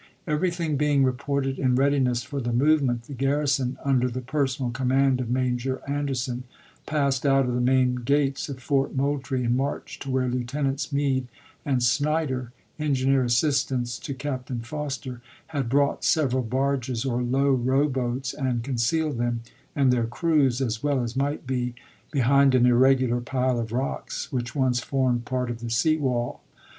Everything being oTtneVar. reported in readiness for the movement, the garri son, under the personal command of Major Ander son, passed out of the main gates of Fort Moultrie and marched to where Lieutenants Meade and Snyder, engineer assistants to Captain Foster, had brought several barges or large row boats and con cealed them and their crews, as well as might be, be hind an irregular pile of rocks which once formed part of the sea wall.